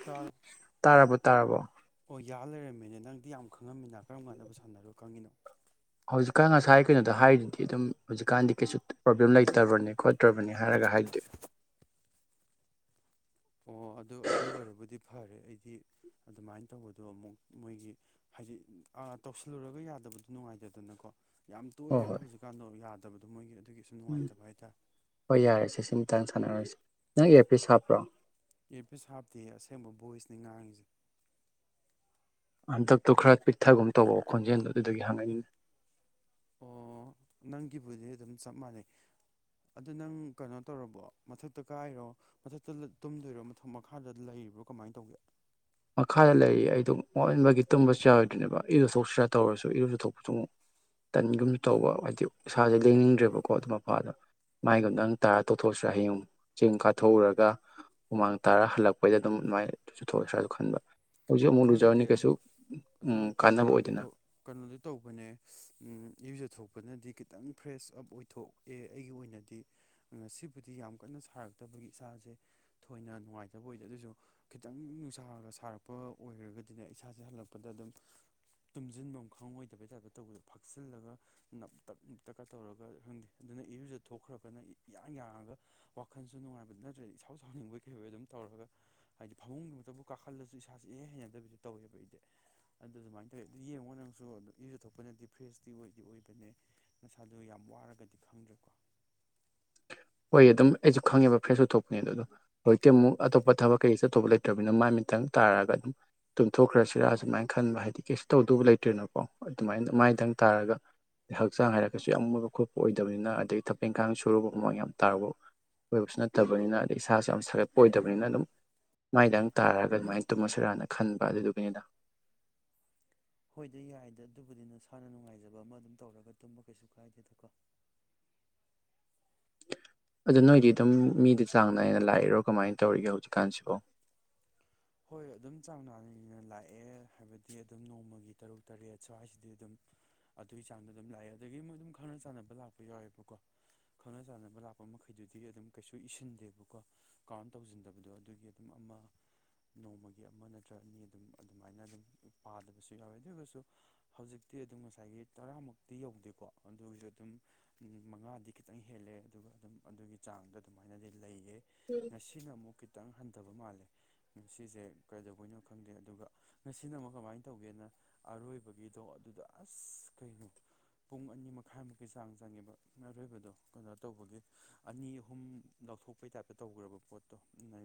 ꯇꯥꯔ ꯇꯥꯔꯥꯔꯕꯣ ꯇꯥꯔꯥꯔꯕꯣ ꯒꯌꯥ ꯂꯩꯔꯝꯃꯤꯅꯦ ꯅꯪꯗꯤ ꯌꯥꯝ ꯈꯪꯉꯝꯃꯤꯅ ꯀꯔꯝ ꯀꯥꯟꯅꯕꯨ ꯁꯥꯟꯅꯔꯣ ꯈꯪꯉꯤꯅꯣ ꯍꯧꯖꯤꯛꯀꯥꯟ ꯉꯁꯥꯏ ꯀꯩꯅꯣꯗ ꯍꯥꯏꯔꯤꯗꯤ ꯑꯗꯨꯝ ꯍꯧꯖꯤꯛꯀꯥꯟꯗꯤ ꯀꯩꯁꯨ ꯄ꯭ꯔꯣꯕ꯭ꯂꯦꯝ ꯂꯩꯇꯕꯅꯤ ꯈꯣꯠꯇ꯭ꯔꯕꯅꯤ ꯍꯥꯏꯔꯒ ꯍꯥꯏꯗꯦ ꯑꯣ ꯑꯗꯨ ꯑꯗꯨ ꯑꯣꯏꯔꯕꯨꯗꯤ ꯐꯔꯦ ꯑꯩꯗꯤ ꯑꯗꯨꯃꯥꯏꯅ ꯇꯧꯕꯗꯣ ꯑꯃꯨꯛ ꯃꯣꯏꯒꯤ ꯍꯥꯏꯗꯤ ꯇꯧꯁꯤꯜꯂꯨꯔꯒ ꯌꯥꯗꯕꯗꯨꯣ ꯅꯨꯡꯉꯥꯏꯇꯗꯅꯀꯣ ꯌꯥꯝ ꯇꯣꯏꯑꯦꯕ ꯍꯧꯖꯤꯛꯀꯥꯟꯗꯣ ꯌꯥꯗ꯭ꯔꯦ ꯐꯠꯇꯕꯗꯣ ꯃꯣꯏꯒꯤ ꯑꯗꯨꯒꯤ ꯁꯨꯝ ꯎꯝ ꯅꯨꯡꯉꯥꯏꯇꯕ ꯍꯥꯏꯇꯥꯔꯦ ꯍꯣꯏ ꯌꯥꯔꯦ ꯁꯤ ꯁꯤꯃꯇꯥꯟꯖꯦ ꯁꯅꯔꯁꯦ ꯅꯪ ꯑꯦ ꯄ ꯍꯥꯞꯄ꯭ꯔꯣ ꯑꯦꯄꯤꯁ ꯍꯥꯞꯇꯦ ꯑꯁꯦꯡꯕ ꯚꯣꯏꯁꯅꯤ ꯉꯥꯡꯉꯁꯦ ꯍꯟꯇꯞꯇꯣ ꯈꯔ ꯄꯤꯛꯊꯒꯨꯝ ꯇꯧꯑꯣ ꯈꯣꯟꯖꯦꯜꯗꯨꯣ ꯑꯗꯨꯗꯒꯤ ꯍꯪꯉꯟꯅꯤꯡꯉꯤ ꯑꯣ ꯅꯪꯒꯤꯕꯨꯗꯤ ꯑꯗꯨꯝ ꯆꯞ ꯃꯥꯟꯅꯩ ꯑꯗꯨ ꯅꯪ ꯀꯩꯅꯣ ꯇꯧꯔꯕꯣ ꯃꯊꯛꯇ ꯀꯥꯏꯔꯣ ꯃꯊꯛꯇ ꯇꯨꯝꯗꯣꯏꯔꯣ ꯃꯊꯛ ꯃꯈꯥꯗ ꯂꯩꯔꯤꯕ꯭ꯔꯣ ꯀꯃꯥꯏꯅ ꯇꯧꯒꯦ ꯃꯈꯥꯗ ꯂꯩꯔꯤ ꯑꯩ ꯑꯗꯨ ꯃꯟꯕꯒꯤ ꯇꯨꯝꯕꯁꯨ ꯌꯥꯔꯣꯏꯗꯣꯏꯅꯦꯕ ꯏꯔꯨꯊꯣꯛꯁꯤꯔꯥ ꯇꯧꯔꯁꯨ ꯏꯔꯨ ꯆꯨꯊꯣꯛꯄꯁꯨ ꯑꯃꯨꯛ ꯇꯟꯒꯨꯝ ꯇꯧꯕ ꯍꯥꯏꯗꯤ ꯏꯁꯥꯁꯦ ꯂꯦꯡꯅꯤꯡꯗ꯭ꯔꯦꯕꯀꯣ ꯑꯗꯨ ꯃꯐꯥꯗ ꯃꯥꯏꯒꯨꯝꯗ ꯅꯪ ꯇꯥꯔ ꯇꯣꯊꯣꯛꯑꯁꯤꯔꯥ ꯍꯌꯦꯡ ꯆꯦꯡ ꯀꯥꯊꯣꯛꯎꯔꯒ ꯍꯨꯃꯥꯡ ꯇꯥꯔ ꯍꯜꯂꯛꯄꯩꯗ ꯑꯗꯨꯝ ꯑꯗꯨꯃꯥꯏꯅ ꯆꯨꯊꯣꯛꯑꯁꯤꯔꯥ ꯈꯟꯕ ꯈꯪꯗꯦ ꯑꯗꯨ ꯑꯗꯨ ꯎꯝ ꯀꯩꯅꯣ ꯀꯥꯟꯅꯕ ꯇꯧꯗꯤ ꯑꯣꯏꯗꯅ ꯀꯩꯅꯣꯗꯤ ꯇꯧꯕꯅꯦ ꯌꯨꯖ ꯊꯣꯛꯄꯅꯗꯤ ꯈꯤꯇꯪ ꯐ꯭ꯔꯦꯁ ꯑꯞ ꯑꯣꯏꯊꯣꯛꯑꯦ ꯑꯩꯒꯤ ꯑꯣꯏꯅꯗꯤ ꯉꯁꯤꯕꯨꯗꯤ ꯌꯥꯝ ꯀꯟꯅ ꯁꯥꯔꯛꯇꯕꯒꯤ ꯏꯁꯥꯁꯦ ꯊꯣꯏꯅ ꯅꯨꯡꯉꯥꯏꯇꯕ ꯑꯣꯏꯗꯦ ꯑꯗꯨꯁꯨ ꯈꯤꯇꯪ ꯅꯨꯡꯁꯥꯔꯒ ꯁꯥꯔꯛꯄ ꯑꯣꯏꯔꯒꯗꯤꯅꯦ ꯏꯁꯥꯁꯦ ꯍꯜꯂꯛꯄꯗ ꯑꯗꯨꯝ ꯇꯨꯝꯁꯤꯟꯐꯝ ꯈꯪꯉꯣꯏꯗꯕꯩ ꯇꯥꯏꯞꯇ ꯇꯧꯕꯗꯣ ꯐꯛꯆꯤꯜꯂꯒ ꯅꯞꯇꯛ ꯅꯞ ꯇꯛꯀ ꯇꯧꯔꯒ ꯈꯪꯗꯦ ꯑꯗꯨꯅ ꯏꯔꯨꯖ ꯊꯣꯛꯈ꯭ꯔꯒꯅ ꯏꯌꯥꯡ ꯌꯥꯡꯉꯒ ꯋꯥꯈꯜꯁꯨ ꯅꯨꯡꯉꯥꯏꯕꯗꯨ ꯅꯠꯇ꯭ꯔꯗꯤ ꯏꯁꯥꯎ ꯁꯥꯎꯅꯤꯡꯕꯩ ꯀꯩꯍꯣꯏ ꯑꯗꯨꯝ ꯇꯧꯔꯒ ꯍꯥꯏꯗꯤ ꯐꯃꯨꯡꯒꯤꯃꯛꯇꯕꯨ ꯀꯥꯈꯠꯂꯁꯨ ꯏꯁꯥ ꯍꯩꯅꯗꯕꯤꯁꯨ ꯇꯧꯋꯦꯕ ꯑꯩꯗꯤ ꯑꯗꯨ ꯑꯗꯨꯃꯥꯏꯅ ꯇꯧꯋꯦ ꯑꯗꯨ ꯌꯦꯡꯉꯣ ꯅꯪꯁꯨ ꯑꯗꯨ ꯏꯁꯨ ꯊꯣꯛꯄꯅꯗꯤ ꯐ꯭ꯔꯦꯁꯇꯤ ꯑꯣꯏꯗꯤ ꯑꯣꯏꯕꯅꯦ ꯅꯁꯥꯗꯨ ꯌꯥꯝ ꯋꯥꯔꯒꯗꯤ ꯈꯪꯗ꯭ꯔꯦꯀꯣ ꯍꯣꯏ ꯑꯗꯨꯝ ꯑꯩꯁꯨ ꯈꯪꯉꯦꯕ ꯐ꯭ꯔꯦꯁ ꯎꯊꯣꯛꯄꯅꯦ ꯑ ꯑꯗꯣ ꯍꯧꯖꯤꯛꯇꯤ ꯑꯃꯨꯛ ꯑꯇꯣꯞꯄ ꯊꯕꯛ ꯀꯩꯀ ꯆꯠꯊꯣꯛꯧꯕ ꯂꯩꯇ꯭ꯔꯅꯤꯅ ꯃꯥꯏ ꯃꯤꯇꯪ ꯇꯥꯔꯒ ꯑꯗꯨꯝ ꯇꯨꯝꯊꯣꯛꯈ꯭ꯔꯁꯤꯔꯥ ꯁꯁꯨꯃꯥꯏꯅ ꯈꯟꯕ ꯍꯥꯏꯗꯤ ꯀꯩꯁꯨ ꯇꯧꯗꯕ ꯂꯩꯇ꯭ꯔꯤꯅꯣꯀꯣ ꯑꯗꯨꯃꯥꯏꯅ ꯃꯥꯏꯗꯪ ꯇꯥꯔꯒ ꯍꯛꯆꯥꯡ ꯍꯥꯏꯔꯒꯁꯨ ꯌꯥꯝ ꯃꯣꯏꯕ ꯈꯣꯠꯄ ꯑꯣꯏꯗꯕꯅꯤꯅ ꯑꯗꯒꯤ ꯊꯕꯛ ꯏꯪꯈꯥꯡ ꯁꯨꯔꯨꯕ ꯃꯑꯣꯡ ꯌꯥꯝ ꯇꯥꯕꯨ ꯑꯣꯏꯕꯁꯨ ꯅꯠꯇꯕꯅꯤꯅ ꯑꯗꯩ ꯏꯁꯥꯁꯨ ꯌꯥꯝ ꯁꯥꯒꯠꯄ ꯑꯣꯏꯗꯕꯅꯤꯅ ꯑꯗꯨꯝ ꯃꯥꯏꯗꯪ ꯇꯥꯔꯛꯑꯒ ꯑꯗꯨꯃꯥꯏꯅ ꯇꯨꯝꯃꯁꯤꯔꯥꯅ ꯈꯟꯕ ꯑꯗꯨꯗꯨꯒꯤꯅꯤꯅ ꯍꯣꯏꯗꯤ ꯌꯥꯏꯗ ꯑꯗꯨꯕꯨꯗꯤ ꯅꯁꯥꯅ ꯅꯨꯡꯉꯥꯏꯖꯕ ꯑꯃ ꯑꯗꯨꯝ ꯇꯧꯔꯒ ꯇꯨꯝꯕ ꯀꯩꯁꯨ ꯀꯥꯏꯗꯦꯗꯀꯣ ꯑꯗꯨ ꯅꯣꯏꯗꯤ ꯑꯗꯨꯝ ꯃꯤꯗꯤ ꯆꯥꯡ ꯅꯥꯏꯅ ꯂꯥꯛꯏꯔꯣ ꯀꯃꯥꯏꯅ ꯇꯧꯔꯤꯒꯦ ꯍꯧꯖꯤꯛꯀꯥꯟꯁꯤꯕꯣ ꯍꯣꯏ ꯑꯗꯨꯝ ꯆꯥꯡ ꯅꯥꯅꯅ ꯂꯥꯛꯑꯦ ꯍꯥꯏꯕꯗꯤ ꯑꯗꯨꯝ ꯅꯣꯡꯃꯒꯤ ꯇꯔꯨꯛ ꯇꯔꯦꯠ ꯁ꯭ꯋꯥꯏꯁꯤꯗꯤ ꯑꯗꯨꯝ ꯑꯗꯨꯒꯤ ꯆꯥꯡꯗ ꯑꯗꯨꯝ ꯂꯥꯛꯑꯦ ꯑꯗꯨꯗꯒꯤ ꯑꯃꯨꯛ ꯑꯗꯨꯝ ꯈꯪꯅ ꯆꯥꯟꯅꯕ ꯂꯥꯛꯄ ꯌꯥꯎꯋꯦꯕꯀꯣ ꯈꯪꯅ ꯆꯥꯟꯅꯕ ꯂꯥꯛꯄ ꯃꯈꯩꯗꯨꯗꯤ ꯑꯗꯨꯝ ꯀꯩꯁꯨ ꯏꯁꯤꯟꯗꯦꯕꯀꯣ ꯀꯥꯎꯟ ꯇꯧꯁꯤꯟꯗꯕꯗꯣ ꯑꯗꯨꯒꯤ ꯑꯗꯨꯝ ꯑꯃ ꯅꯣꯡꯃꯒꯤ ꯑꯃ ꯅꯠꯇ꯭ꯔꯒ ꯑꯅꯤ ꯑꯗꯨꯝ ꯑꯗꯨꯃꯥꯏꯅ ꯑꯗꯨꯝ ꯄꯥꯗꯕꯁꯨ ꯌꯥꯎꯋꯦ ꯑꯗꯨꯁꯨ ꯍꯧꯖꯤꯛꯇꯤ ꯑꯗꯨꯝ ꯉꯁꯥꯏꯒꯤ ꯇꯔꯥꯃꯨꯛꯇꯤ ꯌꯧꯗꯦꯀꯣ ꯑꯗꯨꯒꯤꯁꯨ ꯑꯗꯨꯝ ꯃꯉꯥꯗꯤ ꯈꯤꯇꯪ ꯍꯦꯜꯂꯦ ꯑꯗꯨꯒ ꯑꯗꯨꯝ ꯑꯗꯨꯒꯤ ꯆꯥꯡꯗ ꯑꯗꯨꯃꯥꯏꯅꯗꯤ ꯂꯩꯌꯦ ꯉꯁꯤꯅꯨꯛ ꯀ ꯈꯤꯇꯪ ꯍꯟꯊꯕ ꯃꯥꯜꯂꯦ ꯉꯁꯤꯁꯦ ꯀꯩꯗꯧꯕꯅꯣ ꯈꯪꯗꯦ ꯑꯗꯨꯒ ꯉꯁꯤꯅ ꯑꯃꯨꯛ ꯀꯃꯥꯏꯅ ꯇꯧꯒꯦꯅ ꯑꯔꯣꯏꯕꯒꯤꯗꯣ ꯑꯗꯨꯗ ꯑꯁ ꯀꯩꯅꯣ ꯄꯨꯡ ꯑꯅꯤ ꯃꯈꯥꯏꯃꯨꯛꯀꯤ ꯆꯥꯡ ꯆꯪꯉꯦꯕ ꯑꯔꯣꯏꯕꯗꯣ ꯀꯩꯅꯣ ꯇꯧꯕꯒꯤ ꯑꯅꯤ ꯑꯍꯨꯝ ꯂꯧꯊꯣꯛꯄꯩ ꯇꯥꯏꯞꯇ ꯇꯧꯈ꯭ꯔꯕ ꯄꯣꯠꯇꯣ ꯅ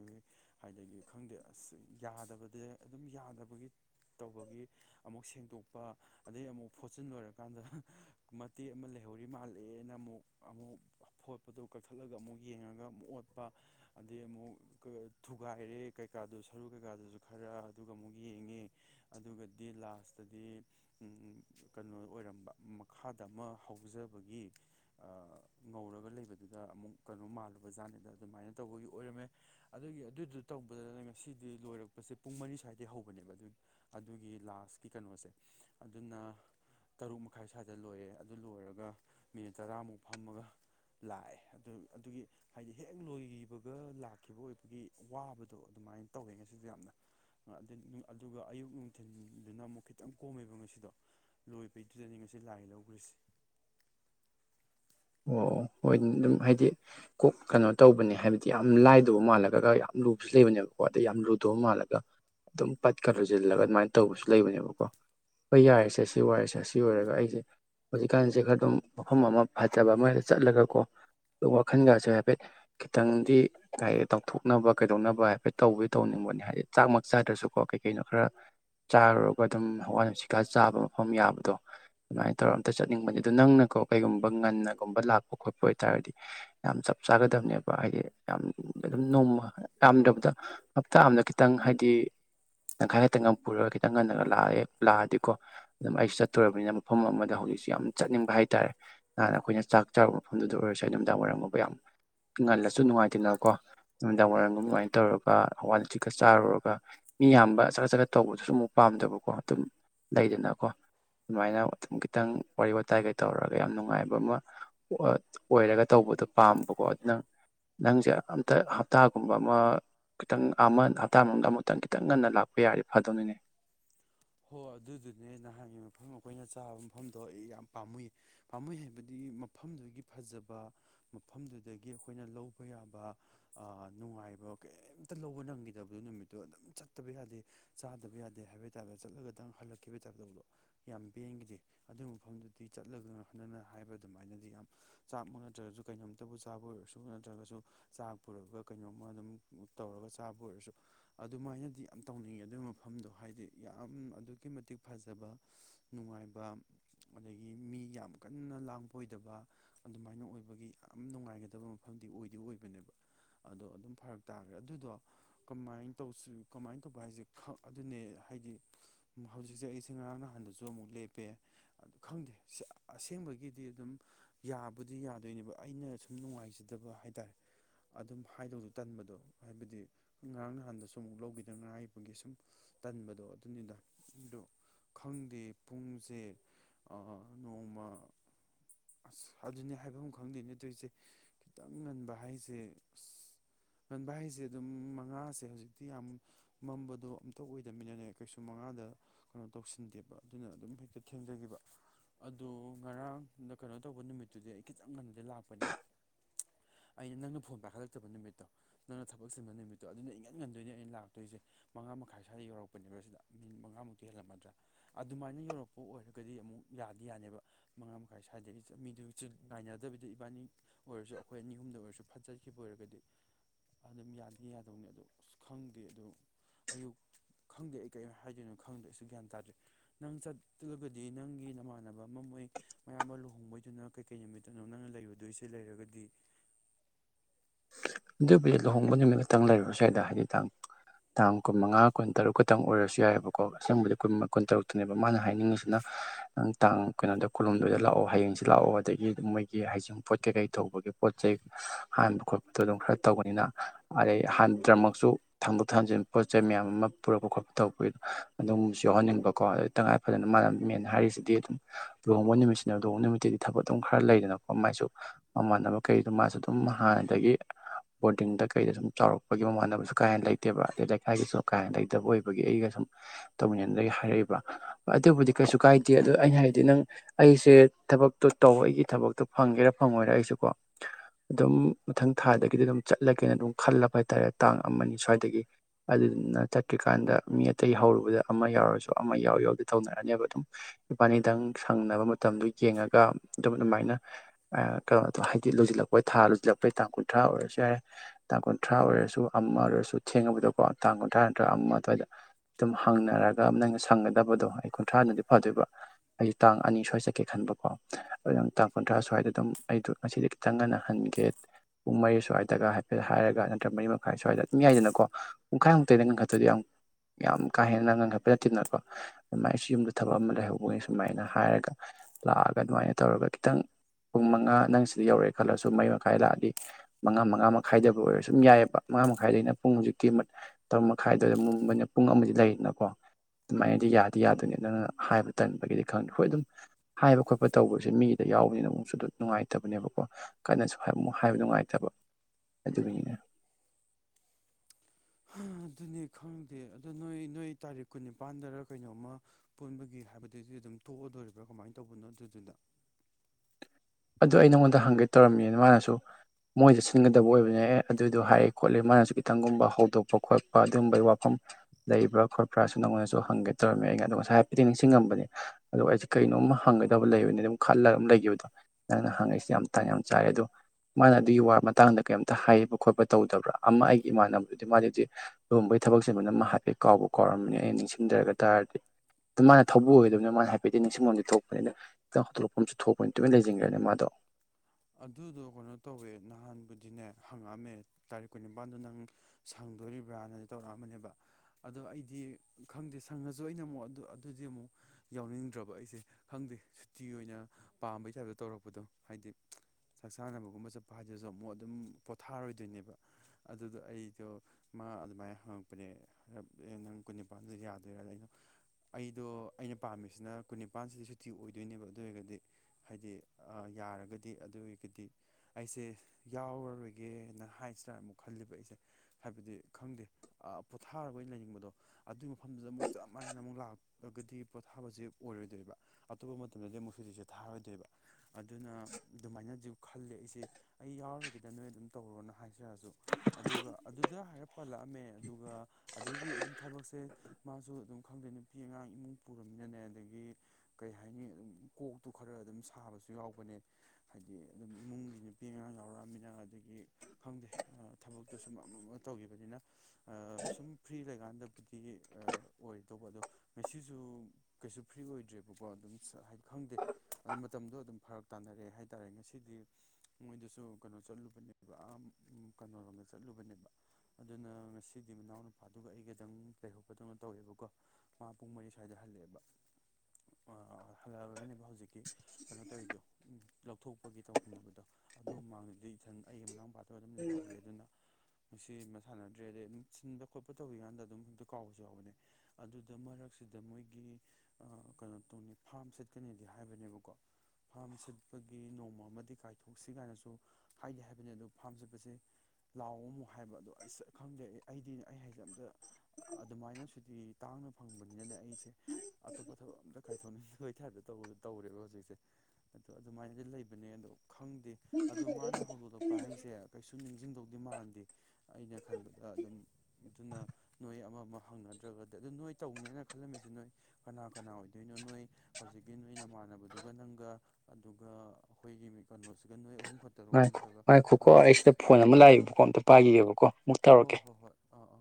ꯍꯥꯏꯗꯒꯤ ꯈꯪꯗꯦ ꯑꯁ ꯌꯥꯗꯕꯗ ꯑꯗꯨꯝ ꯌꯥꯗꯕꯒꯤ ꯇꯧꯕꯒꯤ ꯑꯃꯨꯛ ꯁꯦꯡꯗꯣꯛꯄ ꯑꯗꯩ ꯑꯃꯨꯛ ꯐꯣꯠꯆꯤꯟ ꯂꯣꯏꯔꯀꯥꯟꯗ ꯃꯇꯦꯛ ꯑꯃ ꯂꯩꯍꯧꯔꯤ ꯃꯥꯜꯂꯦꯅ ꯑꯃꯨꯛ ꯑꯃꯨꯛ ꯐꯣꯠꯄꯗꯣ ꯀꯛꯊꯠꯂꯒ ꯑꯃꯨꯛ ꯌꯦꯡꯉꯒ ꯑꯃꯨꯛ ꯑꯣꯠꯄ ꯑꯗꯩ ꯑꯃꯨꯛ ꯊꯨꯒꯥꯏꯔꯦ ꯀꯩꯀꯥꯗꯨ ꯁꯔꯨ ꯀꯩꯀꯥꯗꯨꯁꯨ ꯈꯔ ꯑꯗꯨꯒ ꯑꯃꯨꯛ ꯌꯦꯡꯉ ꯑꯗꯨꯒꯗꯤ ꯂꯥꯁꯇꯗꯤ ꯀꯩꯅꯣ ꯑꯣꯏꯔꯝꯕ ꯃꯈꯥꯗ ꯑꯃ ꯍꯧꯖꯕꯒꯤ ꯉꯧꯔꯒ ꯂꯩꯕꯗꯨꯗ ꯑꯃꯨꯛ ꯀꯩꯅꯣ ꯃꯥꯜꯂꯨꯕ ꯖꯥꯠꯅꯤꯗ ꯑꯗꯨꯃꯥꯏꯅ ꯇꯧꯕꯒꯤ ꯑꯣꯏꯔꯝꯃꯦ ꯑꯗꯨꯒꯤ ꯑꯗꯨꯗꯨ ꯇꯧꯕ ꯉꯁꯤꯗꯤ ꯂꯣꯏꯔꯛꯄꯁꯦ ꯄꯨꯡ ꯃꯔꯤ ꯁ꯭ꯋꯥꯏꯗꯩ ꯍꯧꯕꯅꯦꯕ ꯑꯗꯨꯒꯤ ꯑꯗꯨꯒꯤ ꯂꯥꯁꯀꯤ ꯀꯩꯅꯣꯁꯦ ꯑꯗꯨꯅ ꯇꯔꯨꯛ ꯃꯈꯥꯏ ꯁ꯭ꯋꯥꯏꯗ ꯂꯣꯏꯔꯦ ꯑꯗꯨ ꯂꯣꯏꯔꯒ ꯃꯤꯅꯤꯠ ꯇꯔꯥꯃꯨꯛ ꯐꯝꯃꯒ ꯂꯥꯛꯑꯦ ꯑꯗꯨ ꯑꯗꯨꯒꯤ ꯍꯥꯏꯗꯤ ꯍꯦꯛ ꯂꯣꯏꯈꯤꯕꯒ ꯂꯥꯛꯈꯤꯕ ꯑꯣꯏꯕꯒꯤ ꯋꯥꯕꯗ ꯑꯗꯣ ꯑꯗꯨꯃꯥꯏꯅ ꯇꯧꯋꯦ ꯉꯁꯤꯗ ꯌꯥꯝꯅ ꯑꯗꯨꯒ ꯑꯌꯨꯛ ꯅꯨꯡꯊꯤꯜꯗꯨꯅ ꯑꯃꯨꯛ ꯈꯤꯇꯪ ꯀꯣꯝꯃꯦꯕ ꯉꯁꯤꯗꯣ ꯂꯣꯏꯕꯩꯗꯨꯗꯅꯤ ꯉꯁꯤ ꯂꯥꯏ ꯂꯧꯈ꯭ꯔꯤꯁꯤꯦ ꯑꯣ ꯑꯣ ꯍꯣꯏ ꯑꯗꯨꯝ ꯍꯥꯏꯗꯤ ꯀꯣꯛ ꯀꯩꯅꯣ ꯇꯧꯕꯅꯦ ꯍꯥꯏꯕꯗꯤ ꯌꯥꯝ ꯂꯥꯏꯗꯧꯕ ꯃꯥꯜꯂꯒ ꯌꯥꯝ ꯂꯨꯕꯁꯨ ꯂꯩꯕꯅꯦꯕꯀꯣ ꯑꯗꯩ ꯌꯥꯝ ꯂꯨꯗꯧꯕ ꯃꯥꯜꯂꯒ ꯑꯗꯨꯝ ꯄꯠꯀ ꯂꯨꯁꯤꯜꯂꯒ ꯑꯗꯨꯃꯥꯏꯅ ꯇꯧꯕꯁꯨ ꯂꯩꯕꯅꯦꯕꯀꯣ ꯍꯣꯏ ꯌꯥꯔꯤꯁꯦ ꯁꯤ ꯑꯣꯏꯔꯁꯦ ꯑꯁꯤ ꯑꯣꯏꯔꯒ ꯑꯩꯁꯦ ꯍꯧꯖꯤꯛꯀꯥꯟꯁꯦ ꯈꯔ ꯑꯗꯨꯝ ꯃꯐꯝ ꯑꯃ ꯐꯖꯕ ꯑꯃꯗ ꯆꯠꯂꯒꯀꯣ ꯑꯗꯨ ꯋꯥꯈꯜꯒꯥꯁꯦ ꯍꯥꯏꯐꯦꯠ ꯈꯤꯇꯪꯗꯤ ꯀ ꯇꯧꯊꯣꯛꯅꯕ ꯀꯩꯗꯧꯅꯕ ꯍꯥꯏꯐꯦꯠ ꯇꯧꯕꯗꯤ ꯇꯧꯅꯤꯡꯕꯅꯦ ꯍꯥꯏꯗꯤ ꯆꯥꯛꯃꯛꯛ ꯆꯥꯗ꯭ꯔꯁꯨꯀꯣ ꯀꯩ ꯀꯩꯅꯣ ꯈꯔ ꯆꯥꯔꯨꯔꯒ ꯑꯗꯨꯝ ꯍꯋꯥ ꯅꯨꯡꯁꯤꯠꯀꯥ ꯆꯥꯕ ꯃꯐꯝ ꯌꯥꯕꯗꯣ ꯑꯗꯨꯃꯥꯏꯅ ꯇꯧꯔꯒ ꯑꯝꯇ ꯆꯠꯅꯤꯡꯕꯅꯤ ꯑꯗꯨ ꯅꯪꯅꯀꯣ ꯀꯩꯒꯨꯝꯕ ꯉꯟꯅꯒꯨꯝꯕ ꯂꯥꯛꯄ ꯈꯣꯠꯄ ꯑꯣꯏꯇꯥꯔꯗꯤ ꯌꯥꯝ ꯆꯞ ꯆꯥꯒꯗꯕꯅꯦꯕ ꯍꯥꯏꯗꯤ ꯌꯥꯝ ꯑꯗꯨꯝ ꯅꯣꯡꯃ ꯌꯥꯝꯗ꯭ꯔꯕꯗ ꯍꯞꯇꯥ ꯑꯃꯗ ꯈꯤꯇꯪ ꯍꯥꯏꯗꯤ ꯇꯪꯈꯥꯏ ꯉꯇꯪꯒ ꯄꯨꯔꯒ ꯈꯤꯇꯪ ꯉꯟꯅꯒ ꯂꯥꯛꯑꯦ ꯂꯥꯛꯑꯗꯤꯀꯣ ꯑꯗꯨꯝ ꯑꯩꯁꯨ ꯆꯠꯇꯣꯔꯕꯅꯤꯅ ꯃꯐꯝ ꯑꯃꯗ ꯍꯧꯖꯤꯛꯁꯨ ꯌꯥꯝ ꯆꯠꯅꯤꯡꯕ ꯍꯥꯏꯇꯥꯔꯦ ꯅꯍꯥꯟꯅ ꯑꯩꯈꯣꯏꯅ ꯆꯥꯛ ꯆꯥꯨꯕ ꯃꯐꯝꯗꯨꯗ ꯑꯣꯏꯔꯁꯨ ꯑꯩ ꯅꯨꯃꯤꯗꯥꯡ ꯋꯥꯏꯔꯝꯒꯨꯝꯕ ꯌꯥꯝ ꯉꯜꯂꯁꯨ ꯅꯨꯡꯉꯥꯏꯇꯅꯀꯣ ꯅꯨꯃꯤꯗꯥꯡ ꯋꯥꯏꯝꯒꯨꯝ ꯑꯗꯨꯃꯥꯏꯅ ꯇꯧꯔꯒ ꯍꯋꯥꯤ ꯆ ꯆꯥꯔꯨꯔꯒ ꯃꯤ ꯌꯥꯝꯕ ꯆꯀꯠ ꯆꯠꯈꯠ ꯇꯧꯕꯗꯨꯁꯨ ꯑꯃꯨꯛ ꯄꯥꯝꯗꯕꯀꯣ ꯑꯗꯨꯝ ꯂꯩꯗꯅꯀꯣ ꯑꯗꯨꯃꯥꯏꯅ ꯑꯗꯨꯝ ꯈꯤꯇꯪ ꯋꯥꯔꯤ ꯋꯥꯇꯥꯏꯒꯩ ꯇꯧꯔꯒ ꯌꯥꯝ ꯅꯨꯡꯉꯥꯏꯕ ꯑꯣꯏꯔꯒ ꯇꯧꯕꯗꯣ ꯄꯥꯝꯕꯀꯣ ꯑꯗꯨ ꯅꯪ ꯅꯪꯁꯦ ꯑꯝꯇ ꯍꯞꯇꯥꯒꯨꯝꯕ ꯑꯃ ꯈꯤꯇꯪ ꯑꯃ ꯍꯞꯇꯥ ꯃꯅꯨꯡꯗ ꯑꯃꯨꯛꯇꯪ ꯈꯤꯇꯪ ꯉꯟꯅ ꯂꯥꯛꯄ ꯌꯥꯔꯦ ꯐꯗꯧꯅꯤꯅꯦ ꯍꯣ ꯑꯗꯨꯗꯨꯅꯦ ꯅꯍꯥꯟꯒꯤ ꯃꯐꯝ ꯑꯩꯈꯣꯏꯅ ꯆꯥꯕ ꯃꯐꯝꯗꯣ ꯑꯩ ꯌꯥꯝ ꯄꯥꯝꯃꯨꯏ ꯄꯥꯝꯃꯨꯏ ꯍꯥꯏꯕꯗꯤ ꯃꯐꯝꯗꯨꯒꯤ ꯐꯖꯕ ꯃꯐꯝꯗꯨꯗꯒꯤ ꯑꯩꯈꯣꯏꯅ ꯂꯧꯕ ꯌꯥꯕ ꯅꯨꯡꯉꯥꯏꯕ ꯀꯩꯝꯇ ꯂꯧꯕ ꯅꯪꯈꯤꯗꯕꯗꯣ ꯅꯨꯃꯤꯠꯇꯣ ꯑꯗꯨꯝ ꯆꯠꯇꯕ ꯌꯥꯗꯦ ꯆꯥꯗꯕ ꯌꯥꯗꯦ ꯍꯥꯏꯕ ꯇꯥꯔꯦ ꯆꯠꯂꯒꯇꯪ ꯍꯜꯂꯛꯈꯤꯕ ꯇꯥꯏꯞꯇꯧꯗꯣ ꯌꯥꯝ ꯦꯡꯈꯤꯗꯦ ꯑꯗꯨꯕ ꯃꯐꯝꯗꯨꯗꯤ ꯆꯠꯂꯒ ꯍꯅ ꯍꯥꯏꯕ ꯑꯗꯨꯃꯥꯏꯅꯗꯤ ꯌꯥꯝ ꯆꯥꯛꯃꯨꯛ ꯅꯠꯇ꯭ꯔꯒꯁꯨ ꯀꯩꯅꯣꯝꯇꯕꯨ ꯆꯥꯕ ꯑꯣꯏꯔꯁꯨ ꯅꯠꯇ꯭ꯔꯒꯁꯨ ꯆꯥꯛ ꯄꯨꯔꯒ ꯀꯩꯅꯣꯝꯃ ꯑꯗꯨꯝ ꯇꯧꯔꯒ ꯆꯥꯕ ꯑꯣꯏꯔꯁꯨ ꯑꯗꯨꯃꯥꯏꯅꯗꯤ ꯌꯥꯝ ꯇꯧꯅꯤꯡꯉꯦ ꯑꯗꯨꯕ ꯃꯐꯝꯗꯣ ꯍꯥꯏꯗꯤ ꯌꯥꯝ ꯑꯗꯨꯛꯀꯤ ꯃꯇꯤꯛ ꯐꯖꯕ ꯅꯨꯡꯉꯥꯏꯕ ꯑꯗꯒꯤ ꯃꯤ ꯌꯥꯝ ꯀꯟꯅ ꯂꯥꯡꯄꯣꯏꯗꯕ ꯑꯗꯨꯃꯥꯏꯅ ꯑꯣꯏꯕꯒꯤ ꯌꯥꯝ ꯅꯨꯡꯉꯥꯏꯒꯗꯕ ꯃꯐꯝꯗꯤ ꯑꯣꯏꯗꯤ ꯑꯣꯏꯕꯅꯦꯕ ꯑꯗꯣ ꯑꯗꯨꯝ ꯐꯔꯛ ꯇꯥꯈ꯭ꯔꯦ ꯑꯗꯨꯗꯣ ꯀꯃꯥꯏ ꯇꯧꯁꯨ ꯀꯃꯥꯏꯅ ꯇꯧꯕ ꯍꯥꯏꯁꯦ ꯑꯗꯨꯅꯦ ꯍꯥꯏꯗꯤ ꯍꯧꯖꯤꯛꯁꯦ ꯑꯩꯁꯦ ꯉꯔꯥꯡ ꯅꯍꯥꯟꯗꯁꯨ ꯑꯃꯨꯛ ꯂꯦꯞꯄꯦ ꯑꯗꯨ ꯈꯪꯗꯦ ꯑꯁꯦꯡꯕꯒꯤꯗꯤ ꯑꯗꯨꯝ ꯌꯥꯕꯨꯗꯤ ꯌꯥꯗꯣꯏꯅꯦꯕ ꯑꯩꯅ ꯁꯨꯝ ꯅꯨꯡꯉꯥꯏꯖꯗꯕ ꯍꯥꯏꯇꯥꯔꯦ ꯑꯗꯨꯝ ꯍꯥꯏꯗꯧꯁꯨ ꯇꯟꯕꯗꯣ ꯍꯥꯏꯕꯗꯤ ꯉꯔꯥꯡ ꯅꯍꯥꯟꯗꯁꯨ ꯑꯃꯨꯛ ꯂꯧꯈꯤꯗ ꯉꯥꯏꯕꯒꯤ ꯁꯨꯝ ꯇꯟꯕꯗꯣ ꯑꯗꯨꯅꯤꯗ ꯑꯗꯣ ꯈꯪꯗꯦ ꯄꯨꯡꯁꯦ ꯅꯣꯡꯃ ꯑꯁ ꯑꯗꯨꯅꯤ ꯍꯥꯏꯕ ꯑꯃ ꯈꯪꯗꯦꯅꯦ ꯑꯗꯨꯗꯣꯏꯁꯦ ꯈꯤꯇꯪ ꯉꯟꯕ ꯍꯥꯏꯁꯦ ꯑꯁ ꯉꯟꯕ ꯍꯥꯏꯁꯦ ꯑꯗꯨꯝ ꯃꯉꯥꯁꯦ ꯍꯧꯖꯤꯛꯇꯤ ꯌꯥꯝ ꯃꯝꯕꯗꯣ ꯑꯝꯇ ꯑꯣꯏꯗ ꯆꯗꯃꯤꯅꯅꯦ ꯀꯩꯁꯨ ꯃꯉꯥꯗ ꯀꯩꯅꯣ ꯇꯧꯁꯤꯟꯗꯦꯕ ꯑꯗꯨꯅ ꯑꯗꯨꯝ ꯍꯦꯛꯇ ꯊꯦꯡꯖꯈꯤꯕ ꯑꯗꯣ ꯉꯔꯥꯡꯗ ꯀꯩꯅꯣ ꯇꯧꯕ ꯅꯨꯃꯤꯠꯇꯨꯗꯤ ꯑꯩ ꯈꯤꯇꯪ ꯉꯟꯅꯗꯤ ꯂꯥꯛꯄꯅꯦ ꯑꯩꯅ ꯅꯪꯅ ꯐꯣꯟ ꯄꯥꯏꯈꯠꯂꯛꯇꯕ ꯅꯨꯃꯤꯠꯇꯣ ꯅꯪꯅ ꯊꯕꯛ ꯆꯤꯟꯕ ꯅꯨꯃꯤꯠꯇꯣ ꯑꯗꯨꯅ ꯏꯪꯉꯟ ꯉꯟꯗꯣꯏꯅꯦ ꯑꯩꯅ ꯂꯥꯛꯇꯣꯏꯁꯦ ꯃꯉꯥ ꯃꯈꯥꯏ ꯁ꯭ꯋꯥꯏꯗ ꯌꯧꯔꯛꯄꯅꯦꯕ ꯁꯤꯗ ꯃꯤ ꯃꯉꯥꯃꯨꯛꯇꯤ ꯍꯦꯜꯂꯝꯃꯗ꯭ꯔꯥ ꯑꯗꯨꯃꯥꯏꯅ ꯌꯧꯔꯛꯄ ꯑꯣꯏꯔꯒꯗꯤ ꯑꯃꯨꯛ ꯌꯥꯗꯤ ꯌꯥꯅꯦꯕ ꯃꯉꯥ ꯃꯈꯥꯏ ꯁ꯭ꯋꯥꯏꯗꯗꯒꯤ ꯃꯤꯗꯨ ꯉꯥꯏꯅꯗꯕꯤꯗ ꯏꯕꯥꯅꯤ ꯑꯣꯏꯔꯁꯨ ꯑꯩꯈꯣꯏ ꯑꯅꯤ ꯑꯍꯨꯝꯗ ꯑꯣꯏꯔꯁꯨ ꯐꯠꯖꯈꯤꯕ ꯑꯣꯏꯔꯒꯗꯤ ꯑꯗꯨꯝ ꯌꯥꯗꯤ ꯌꯥꯗꯕꯅꯤ ꯑꯗ ꯑ ꯈꯪꯗꯦ ꯑꯗꯨ ꯑꯌꯨꯛ ꯈꯪꯗꯦ ꯑꯩ ꯀꯔꯤ ꯍꯥꯏꯗꯣꯏꯅꯣ ꯈꯪꯗꯦ ꯑꯩꯁꯨ ꯒ꯭ꯌꯥꯟ ꯇꯥꯗ꯭ꯔꯦ ꯅꯪ ꯆꯠꯇꯂꯂꯒꯗꯤ ꯅꯪꯒꯤ ꯅꯃꯥꯟꯅꯕ ꯑꯃ ꯃꯣꯏ ꯃꯌꯥꯝ ꯑꯃ ꯂꯨꯍꯣꯡꯕꯩꯗꯨꯅ ꯀꯩꯀꯩ ꯅꯨꯃꯤꯠꯇꯅꯣ ꯅꯪꯅ ꯂꯩꯔꯨꯗꯣꯏꯁꯦ ꯂꯩꯔꯒꯗꯤ ꯑꯗꯨꯕꯨꯗꯤ ꯂꯨꯍꯣꯡꯕ ꯅꯨꯃꯤꯠ ꯈꯛꯇꯪ ꯂꯩꯔꯕ ꯁ꯭ꯋꯥꯏꯗ ꯍꯥꯏꯗꯤ ꯇꯥꯡ ꯇꯥꯡ ꯀꯨꯟꯃꯉꯥ ꯀꯨꯟꯇꯔꯨꯛ ꯈꯛꯇꯪ ꯑꯣꯏꯔꯁꯨ ꯌꯥꯏꯑꯕꯀꯣ ꯑꯁꯦꯡꯕꯗꯤ ꯀꯨ ꯀꯨꯟꯇꯔꯨꯛꯇꯨꯅꯦꯕ ꯃꯥꯅ ꯍꯥꯏꯅꯤꯡꯉꯤꯁꯤꯅ ꯇꯥꯡ ꯀꯩꯅꯣꯗ ꯀꯣꯂꯍꯣꯨꯝꯗꯣꯏꯗ ꯂꯥꯛꯑꯣ ꯍꯌꯦꯡꯁ ꯂꯥꯛꯑꯣ ꯑꯗꯒꯤ ꯃꯣꯏꯒꯤ ꯍꯩꯖꯤꯡ ꯄꯣꯠ ꯀꯩꯀꯩ ꯊꯧꯕꯒꯤ ꯄꯣꯠ ꯆꯩ ꯍꯥꯟꯕ ꯈꯣꯠꯄ ꯑꯗꯨ ꯑꯗꯨꯝ ꯈꯔ ꯇꯧꯕꯅꯤꯅ ꯑꯗꯩ ꯍꯥꯟꯅꯗ꯭ꯔꯃꯛꯁꯨ ꯊꯗꯣꯛ ꯊꯝꯖꯤꯟ ꯄꯣꯠ ꯆꯩ ꯃꯌꯥꯝ ꯑꯃ ꯄꯨꯔꯛꯄ ꯈꯣꯠꯄ ꯇꯧꯕꯒꯤꯗ ꯑꯗꯨꯝꯕꯕꯁꯨ ꯌꯥꯎꯍꯟꯅꯤꯡꯕꯀꯣ ꯑꯗꯩ ꯇꯉꯥꯏ ꯐꯗꯅ ꯃꯥꯅ ꯃꯦꯟ ꯍꯥꯏꯔꯤꯁꯤꯗꯤ ꯑꯗꯨꯝ ꯂꯨꯍꯣꯡꯕ ꯅꯨꯃꯤꯠꯁꯤꯅꯦ ꯂꯨꯍꯣꯡꯕ ꯅꯨꯃꯤꯠꯇꯨꯗꯤ ꯊꯕꯛ ꯑꯗꯨꯝ ꯈꯔ ꯂꯩꯗꯅꯀꯣ ꯃꯥꯏꯁꯨ ꯃꯃꯥꯟꯅꯕ ꯀꯩꯗꯣ ꯃꯥꯁꯨ ꯑꯗꯨꯝ ꯍꯥꯟꯅꯗꯒꯤ ꯕꯣꯔꯗꯤꯡꯗ ꯀꯩꯗ ꯁꯨꯝ ꯆꯥꯎꯔꯛꯄꯒꯤ ꯃꯃꯥꯟꯅꯕꯁꯨ ꯀꯥ ꯍꯦꯟꯅ ꯂꯩꯇꯦꯕ ꯑꯗꯩ ꯂꯩꯀꯥꯏꯒꯤꯁꯨ ꯀꯥ ꯍꯦꯟꯅ ꯂꯩꯇꯕ ꯑꯣꯏꯕꯒꯤ ꯑꯩꯒ ꯁꯨꯝ ꯇꯧꯅꯤꯒꯤ ꯍꯥꯏꯔꯛꯏꯕ ꯑꯗꯨꯕꯨꯗꯤ ꯀꯩꯁꯨ ꯀꯥꯏꯗꯦ ꯑꯗꯣ ꯑꯩꯅ ꯍꯥꯏꯗꯤ ꯅꯪ ꯑꯩꯁꯦ ꯊꯕꯛꯇꯣ ꯇꯧ ꯑꯩꯒꯤ ꯊꯕꯛꯇꯣ ꯐꯪꯒꯦꯔꯥ ꯐꯪꯉꯣꯏꯔ ꯑꯩꯁꯨ ꯀꯣ ꯑꯗꯨꯝ ꯃꯊꯪ ꯊꯥꯗꯒꯤꯗꯤ ꯑꯗꯨꯝ ꯆꯠꯂꯒꯦꯅ ꯑꯗꯨꯝ ꯈꯜꯂꯕ ꯍꯥꯏꯇꯥꯔꯦ ꯇꯥꯡ ꯑꯃꯅꯤ ꯁ꯭ꯋꯥꯏꯗꯒꯤ ꯑꯗꯨꯗꯨꯅ ꯆꯠꯀ꯭ꯔꯤꯀꯥꯟꯗ ꯃꯤ ꯑꯇꯩ ꯍꯧꯔꯨꯕꯗ ꯑꯃ ꯌꯥꯎꯔꯁꯨ ꯑꯃ ꯌꯥꯎꯔ ꯌꯥꯎꯗ ꯇꯧꯅꯔꯅꯦꯕ ꯑꯗꯨꯝ ꯏꯕꯥꯅꯤꯗꯪ ꯁꯪꯅꯕ ꯃꯇꯝꯗꯣ ꯌꯦꯡꯉꯒ ꯑꯗꯨꯝ ꯑꯗꯨꯃꯥꯏꯅ ꯀꯩꯅꯣ ꯍꯥꯏꯗꯤ ꯂꯣꯏꯁꯤꯜꯂꯛꯄꯩ ꯊꯥ ꯂꯨꯁꯤꯜꯂꯛꯄꯩ ꯇꯥꯡ ꯀꯨꯟ ꯀꯨꯟꯊ꯭ꯔꯥ ꯑꯣꯏꯔꯁꯨ ꯌꯥꯔꯦ ꯇꯥꯡ ꯀꯨꯟꯊ꯭ꯔꯥ ꯑꯣꯏꯔꯁꯨ ꯑꯃ ꯑꯣꯏꯔꯁꯨ ꯊꯦꯡꯉꯕꯗꯣꯀꯣ ꯇꯥꯡ ꯀꯨꯟꯊ꯭ꯔꯥ ꯅꯠꯇ꯭ꯔꯒ ꯑꯃ ꯑꯗꯨꯋꯥꯏꯗ ꯑꯗꯨꯝ ꯍꯪꯅꯔꯒ ꯅꯪꯅ ꯁꯪꯒꯗꯕꯗꯣ ꯑꯩ ꯀꯨꯟꯊ꯭ꯔꯥꯅꯗꯤ ꯐꯗꯣꯏꯕ ꯑꯩꯁꯨ ꯇꯥꯡ ꯑꯅꯤ ꯁ꯭ꯋꯥꯏꯗ ꯆꯠꯀꯦ ꯈꯟꯕꯀꯣ ꯑꯗꯨ ꯅꯪ ꯇꯥꯡ ꯀꯨꯟꯊ꯭ꯔꯥ ꯁ꯭ꯋꯥꯏꯗ ꯑꯗꯨꯝ ꯑꯩꯗꯣ ꯉꯁꯤꯗꯤ ꯈꯤꯇꯪ ꯉꯟꯅ ꯍꯟꯒꯦ ꯄꯨꯡ ꯃꯔꯤ ꯁ꯭ꯋꯥꯏꯗꯒ ꯍꯥꯏꯐꯦꯠ ꯍꯥꯏꯔꯒ ꯅꯠꯇ꯭ꯔꯒ ꯃꯔꯤ ꯃꯈꯥꯏ ꯁ꯭ꯋꯥꯏꯗ ꯑꯗꯨꯝ ꯌꯥꯏꯗꯅꯀꯣ ꯄꯨꯡꯈꯥꯏꯃꯨꯛꯇꯗ ꯉꯟꯈꯠꯇꯗꯤ ꯌꯥꯝ ꯀꯥ ꯍꯦꯟꯅ ꯉꯟꯈꯠꯄ ꯅꯠꯇꯦꯅꯀꯣ ꯑꯗꯨꯃꯥꯏꯅꯁꯨ ꯌꯨꯝꯗ ꯊꯕꯛ ꯑꯃ ꯂꯩꯍꯧꯕꯒꯤ ꯁꯨꯃꯥꯏꯅ ꯍꯥꯏꯔꯒ ꯂꯥꯛꯑꯒ ꯑꯗꯨꯃꯥꯏꯅ ꯇꯧꯔꯒ ꯈꯤꯇꯪ ꯄꯨꯡ ꯃꯉꯥ ꯅꯪꯁꯤꯗ ꯌꯧꯔꯛꯑꯦ ꯈꯜꯂꯁꯨ ꯃꯔꯤ ꯃꯈꯥꯏ ꯂꯥꯛꯑꯗꯤ ꯃꯉꯥ ꯃꯉꯥ ꯃꯈꯥꯏꯗꯕꯨ ꯑꯣꯏꯔꯁꯨ ꯁꯨꯝ ꯌꯥꯏꯑꯕ ꯃꯉꯥ ꯃꯈꯥꯏꯗꯩꯅ ꯄꯨꯡ ꯍꯧꯖꯤꯛꯀꯤ ꯃꯠ ꯇꯔꯨꯛ ꯃꯈꯥꯏꯗ ꯃꯨꯕꯩꯅ ꯄꯨꯡ ꯑꯃꯗꯤ ꯂꯩꯗꯅꯀꯣ ꯑꯗꯨꯃꯥꯏꯅꯗꯤ ꯌꯥꯗꯤ ꯌꯥꯗꯣꯏꯅꯤ ꯑꯗꯨꯅ ꯍꯥꯏꯕ ꯇꯟꯕꯒꯤꯗꯤ ꯈꯪꯗꯦ ꯍꯣꯏ ꯑꯗꯨꯝ ꯍꯥꯏꯕ ꯈꯣꯠꯄ ꯇꯧꯕꯁꯦ ꯃꯤꯗ ꯌꯥꯎꯕꯅꯤꯅ ꯑꯃꯨꯛꯁꯨ ꯑꯗꯨꯝ ꯅꯨꯡꯉꯥꯏꯇꯕꯅꯦꯕꯀꯣ ꯀꯟꯅꯁꯨ ꯍꯥꯏꯕ ꯍꯥꯏꯕ ꯅꯨꯡꯉꯥꯏꯇꯕ ꯑꯗꯨꯒꯤꯅꯤꯅꯦ ꯑꯗꯨꯅꯤ ꯈꯪꯗꯦ ꯑꯗꯣ ꯅꯣꯏ ꯅꯣꯏ ꯇꯥꯔꯤꯛ ꯀꯨꯟꯅꯤꯄꯥꯟꯗ ꯀꯩꯅꯣꯝꯃ ꯄꯨꯟꯕꯒꯤ ꯍꯥꯏꯕꯗꯨꯗꯤ ꯑꯗꯨꯝ ꯊꯣꯛꯑꯗꯣꯔꯤꯕ꯭ꯔꯥ ꯀꯃꯥꯏꯅ ꯇꯧꯕꯅꯣ ꯑꯗꯨꯗꯨꯗ ꯑꯗꯨ ꯑꯩ ꯅꯉꯣꯟꯗ ꯍꯪꯒꯦ ꯇꯧꯔꯝꯃꯤꯅ ꯃꯥꯅꯁꯨ ꯃꯣꯏꯗ ꯁꯤꯟꯒꯗꯕ ꯑꯣꯏꯕꯅꯦ ꯑꯦ ꯑꯗꯨꯗꯣ ꯍꯥꯏ ꯈꯣꯠꯂꯤ ꯃꯥꯅꯁꯨ ꯈꯤꯇꯪꯒꯨꯝꯕ ꯍꯧꯗꯣꯛꯄ ꯈꯣꯠꯄ ꯑꯗꯨꯝꯕꯒꯤ ꯋꯥꯐꯝ ꯂꯩꯕ꯭ꯔꯥ ꯈꯣꯠꯄ꯭ꯔꯥꯁꯨ ꯅꯪꯉꯣꯟꯗꯁꯨ ꯍꯪꯒꯦ ꯇꯧꯔꯝꯃꯤ ꯑꯩꯅ ꯑꯗꯣ ꯉꯁꯥꯏ ꯍꯥꯏꯐꯦꯠꯇ ꯅꯤꯡꯁꯤꯡꯉꯝꯕꯅꯦ ꯑꯗꯣ ꯑꯩꯁꯦ ꯀꯩꯅꯣꯝ ꯍꯪꯒꯗꯕ ꯂꯩꯕꯅꯤ ꯑꯗꯨꯝ ꯈꯜꯂꯒ ꯑꯗꯨꯝ ꯂꯩꯈꯤꯕꯗꯣ ꯅꯪꯅ ꯍꯪꯉꯛꯏꯁꯦ ꯌꯥꯝ ꯇꯥꯏ ꯌꯥꯝ ꯆꯥꯏꯔꯦ ꯑꯗꯣ ꯃꯥꯅ ꯑꯗꯨꯒꯤ ꯋꯥ ꯃꯇꯥꯡꯗ ꯀꯩꯝꯇ ꯍꯥꯏꯕ ꯈꯣꯠꯄ ꯇꯧꯗꯕ꯭ꯔꯥ ꯑꯃ ꯑꯩꯒꯤ ꯏꯃꯥꯟꯅꯕꯗꯨꯗꯤ ꯃꯥꯗꯤꯗꯤ ꯂꯨꯍꯕꯒꯤ ꯊꯕꯛ ꯆꯤꯟꯕꯅ ꯃꯥ ꯍꯥꯏꯐꯦꯠ ꯀꯥꯎꯕ ꯀꯥꯎꯔꯝꯝꯕꯅꯤ ꯑꯩꯅ ꯅꯤꯡꯁꯤꯡꯗ꯭ꯔꯒ ꯇꯥꯔꯗꯤ ꯑꯗꯨ ꯃꯥꯅ ꯊꯧꯕ ꯑꯣꯏꯒꯗꯕꯅꯤꯅ ꯃꯥꯅ ꯍꯥꯏꯐꯦꯠꯇꯗꯤ ꯅꯤꯡꯁꯤꯡꯕꯐꯝꯗꯤ ꯊꯣꯛꯄꯅꯤꯅ ꯈꯤꯇꯪ ꯍꯧꯠꯇꯗꯣꯔꯛꯐꯝꯁꯨ ꯊꯣꯛꯄꯅꯤ ꯇꯨꯃꯤꯅ ꯂꯩꯖꯦ ꯖꯤꯡꯒ꯭ꯔꯅꯤ ꯃꯥꯗꯣ ꯑꯗꯨꯗꯣ ꯀꯩꯅꯣ ꯇꯧꯋꯦ ꯅꯍꯥꯟꯕꯨꯗꯤꯅꯦ ꯍꯪꯉꯛꯑꯝꯃꯦ ꯇꯥꯔꯤꯛ ꯀꯨꯟꯅꯤꯄꯥꯜꯗꯣ ꯅꯪ ꯁꯪꯗꯣꯔꯤꯕ꯭ꯔꯥꯅꯗꯤ ꯇꯧꯔꯛꯑꯝꯕꯅꯦꯕ ꯑꯗꯣ ꯑꯩꯗꯤ ꯈꯪꯗꯦ ꯁꯪꯉꯁꯨ ꯑꯩꯅ ꯑꯃꯨꯛ ꯑꯗꯨꯗꯤ ꯑꯃꯨꯛ ꯌꯥꯎꯅꯤꯡꯗ꯭ꯔꯕ ꯑꯩꯁꯦ ꯈꯪꯗꯦ ꯁꯨꯇꯤ ꯑꯣꯏꯅ ꯄꯥꯝꯕꯩ ꯇꯥꯏꯞꯇ ꯇꯧꯔꯛꯄꯗꯣ ꯍꯥꯏꯗꯤ ꯆꯥꯛ ꯆꯥꯅꯕꯒꯨꯝꯕ ꯆꯠꯄ ꯍꯥꯏꯗꯨꯁꯨ ꯑꯃꯨꯛ ꯑꯗꯨꯝ ꯄꯣꯊꯥꯔꯣꯏꯗꯣꯏꯅꯦꯕ ꯑꯗꯨꯗꯣ ꯑꯩꯗꯣ ꯃꯥ ꯑꯗꯨꯃꯥꯏꯅ ꯍꯪꯉꯛꯄꯅꯦ ꯅꯪ ꯀꯨꯟ ꯅꯤꯄꯥꯥꯟꯗ ꯌꯥꯗꯣꯏꯔꯥ ꯑꯩꯅ ꯑꯩꯗꯣ ꯑꯩꯅ ꯄꯥꯝꯃꯤꯁꯤꯅ ꯀꯨꯟꯅꯤꯄꯥꯜꯁꯤꯗꯤ ꯁꯨꯇꯤ ꯑꯣꯏꯗꯣꯏꯅꯦꯕ ꯑꯗꯨ ꯑꯣꯏꯔꯒꯗꯤ ꯍꯥꯏꯗꯤ ꯌꯥꯔꯒꯗꯤ ꯗꯤ ꯑꯗꯨ ꯑꯣꯏꯔꯒꯗꯤ ꯑꯩꯁꯦ ꯌꯥꯎꯔꯔꯣꯏꯒꯦꯅ ꯍꯥꯏꯁꯤꯔꯅ ꯑꯃꯨꯛ ꯈꯜꯂꯦꯕ ꯑꯩꯁꯦ ꯍꯥꯏꯕꯗꯤ ꯈꯪꯗꯦ ꯄꯣꯊꯥꯔꯕꯣꯏ ꯂꯩꯅꯤꯡꯕꯗꯣ ꯑꯗꯨꯒꯤ ꯃꯐꯝꯗꯨꯗ ꯑꯃꯨꯛ ꯆꯞ ꯃꯥꯟꯅꯅ ꯑꯃꯨꯛ ꯂꯥꯛꯑꯒꯗꯤ ꯄꯣꯊꯥꯕꯁꯦ ꯑꯣꯏꯔꯣꯏꯗꯣꯏꯕ ꯑꯇꯣꯞꯄ ꯃꯇꯝꯗꯗꯤ ꯑꯃꯨꯛ ꯁꯨꯇꯁꯦ ꯊꯥꯔꯣꯏꯗꯣꯏꯕ ꯑꯗꯨꯅ ꯑꯗꯨꯃꯥꯏꯅꯁꯨ ꯈꯜꯂꯦ ꯑꯩꯁꯦ ꯑꯩ ꯌꯥꯎꯔꯒꯦꯗ ꯅꯣꯏ ꯑꯗꯨꯝ ꯇꯧꯔꯣꯅ ꯍꯥꯏꯁꯦ ꯑꯗꯨꯒ ꯑꯗꯨꯗ ꯍꯥꯏ ꯍꯠꯂꯛꯑꯝꯃꯦ ꯑꯗꯨꯒ ꯑꯗꯩꯗꯤ ꯑꯗꯨꯝ ꯊꯕꯛꯁꯦ ꯁꯦ ꯃꯥꯁꯨ ꯑꯗꯨꯝ ꯈꯪꯗꯦ ꯅꯨꯄꯤ ꯑꯉꯥꯡ ꯏꯃꯨꯡ ꯄꯨꯔꯃꯤꯅꯤꯅꯦ ꯑꯗꯒꯤ ꯀꯩ ꯍꯥꯏꯅꯤ ꯑꯗꯨꯝ ꯀꯣꯛꯇꯨ ꯈꯔ ꯑꯗꯨꯝ ꯁꯥꯕꯁꯨ ꯌꯥꯎꯕꯅꯦ ꯍꯥꯏꯗꯤ ꯑꯗꯨꯝ ꯏꯃꯨꯡꯒꯤ ꯅꯨꯄꯤ ꯑꯉꯥꯡ ꯌꯥꯎꯔꯛꯑꯃꯤꯅ ꯑꯗꯨꯒꯤ ꯈꯪꯗꯦ ꯊꯕꯛꯇꯣ ꯁꯨꯝ ꯑꯃ ꯑꯃ ꯇꯧꯈꯤꯕꯅꯤꯅ ꯁꯨꯝ ꯐ꯭ꯔꯤ ꯂꯩꯀꯥꯟꯗ ꯗꯤ ꯑꯣꯏꯗꯧꯕ ꯑꯗꯣ ꯉꯁꯤꯁꯨ ꯀꯩꯁꯨ ꯐ꯭ꯔꯤ ꯑꯣꯏꯗ꯭ꯔꯦꯕꯀꯣ ꯑꯗꯨꯝ ꯍꯥꯏꯗꯤ ꯈꯪꯗꯦ ꯑꯗꯣ ꯃꯇꯝꯗꯣ ꯑꯗꯨꯝ ꯐꯔꯛ ꯇꯥꯟꯅꯔꯛꯑꯦ ꯍꯥꯏꯇꯥꯔꯦ ꯉꯁꯤꯗꯤ ꯃꯣꯏꯗꯁꯨ ꯀꯩꯅꯣ ꯆꯠꯂꯨꯕꯅꯦꯕ ꯀꯩꯅꯣꯔꯣꯝꯗ ꯆꯠꯂꯨꯕꯅꯦꯕ ꯑꯗꯨꯅ ꯉꯁꯤꯗꯤ ꯃꯅꯥꯎꯅꯨꯄꯥꯗꯨꯒ ꯑꯩ ꯗꯪ ꯇꯩꯍꯧꯄꯗꯧꯅ ꯇꯧꯋꯦꯕꯀꯣ ꯃꯥ ꯄꯨꯡ ꯃꯔꯤ ꯁ꯭ꯋꯥꯏꯗ ꯍꯜꯂꯛꯑꯦꯕ ꯑ ꯍꯜꯂꯛꯔꯒꯅꯦꯕ ꯍꯧꯖꯤꯛꯀꯤ ꯀꯩꯅꯣ ꯇꯧꯔꯤꯗꯣ ꯂꯧꯊꯣꯛꯄꯒꯤ ꯇꯧꯃꯤꯕꯗꯣ ꯑꯗꯨ ꯃꯃꯥꯡꯗꯗꯤ ꯏꯊꯟ ꯑꯩꯒꯤ ꯃꯥꯡ ꯄ ꯇꯣ ꯑꯗꯨꯝ ꯂꯩꯍꯧꯔꯦ ꯑꯗꯨꯅ ꯃꯁꯤꯃ ꯁꯥꯟꯅꯗ꯭ꯔꯦ ꯑꯗꯩꯝ ꯁꯤꯟꯕ ꯈꯣꯠꯄ ꯇꯧꯋꯀꯥꯟꯗ ꯑꯗꯨꯝ ꯍꯦꯛꯇ ꯀꯥꯎꯕꯁꯨ ꯌꯥꯎꯕꯅꯦ ꯑꯗꯨꯗ ꯃꯔꯛꯁꯤꯗ ꯃꯣꯏꯒꯤ ꯀꯩꯅꯣ ꯇꯧꯅꯤ ꯐꯥꯔꯝ ꯁꯠꯀꯅꯤꯗꯤ ꯍꯥꯏꯕꯅꯦꯕꯀꯣ ꯐꯥꯝ ꯁꯤꯠꯄꯒꯤ ꯅꯣꯡꯃ ꯑꯃꯗꯤ ꯀꯥꯏꯊꯣꯛꯁꯤ ꯀꯥꯏꯅꯁꯨ ꯍꯥꯏꯗꯦ ꯍꯥꯏꯕꯅꯤ ꯑꯗꯨꯗꯣ ꯐꯥꯝ ꯁꯠꯄꯁꯦ ꯂꯥꯎꯝꯃꯨ ꯍꯥꯏꯕ ꯑꯗꯣ ꯑꯩ ꯁ ꯈꯪꯗꯦ ꯑꯩ ꯑꯩꯗꯤ ꯑꯩ ꯍꯥꯏꯁꯦ ꯑꯝꯇ ꯑꯗꯨꯃꯥꯏꯅ ꯁꯤ ꯇꯥꯡꯅ ꯐꯪꯕꯅꯤꯅꯅ ꯑꯩ ꯑꯇꯣ ꯄꯊ ꯊ ꯗ ꯇꯧꯕꯗ ꯇꯧꯔꯦꯕ ꯍꯧꯖꯤꯛꯁꯦ ꯑꯗ ꯑꯗꯨꯃꯥꯏꯅꯗꯤ ꯂꯩꯕꯅꯦ ꯑꯗꯣ ꯈꯪꯗꯦ ꯑꯗꯣ ꯃꯥꯅ ꯍꯧꯗꯣꯔꯛꯄ ꯍꯥꯏꯁꯦ ꯀꯩꯁꯨ ꯅꯤꯡꯁꯤꯡ ꯗꯤ ꯃꯥꯟꯗꯦ ꯑꯩꯅ ꯈꯟꯕꯗ ꯑꯗꯨꯝ ꯑꯗꯨꯅ ꯅꯣꯏ ꯑꯃ ꯑꯃ ꯍꯪꯅꯗ꯭ꯔꯒꯗꯤ ꯑꯗꯨ ꯅꯣꯏ ꯇꯧꯅꯦꯅ ꯈꯜꯂꯝꯃꯤꯁꯤ ꯅꯣꯏ ꯀꯅꯥ ꯀꯅꯥ ꯑꯣꯏꯗꯣꯏꯅꯣ ꯅꯣꯏ ꯍꯧꯖꯤꯛꯀꯤ ꯅꯣꯏꯅ ꯃꯥꯟꯅꯕꯗꯨꯒ ꯅꯪꯒ ꯑꯗꯨꯒ ꯑꯩꯈꯣꯏꯒꯤ ꯀꯩꯅꯣꯁꯤꯒ ꯅꯣꯏ ꯑꯍꯨꯝ ꯈꯛꯇꯔꯣ ꯉꯥꯏꯈꯣ ꯅꯠꯇ꯭ꯔꯒ ꯉꯥꯏꯈꯣꯀꯣ ꯑꯇꯣꯞ ꯑꯩ ꯁꯤꯗ ꯐꯣꯟ ꯑꯃ ꯂꯥꯛꯏꯕꯀꯣ ꯑꯝꯇ ꯄꯥꯏꯈꯤꯦꯕꯀꯣ ꯃꯨꯛ ꯍꯣ ꯇꯧꯔꯛꯀꯦ ꯍꯣ ꯍꯣꯏ ꯑꯥ ꯑꯥ